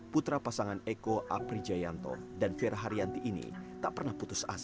putra pasangan eko apri jayanto dan fira haryanti ini tak pernah putus asa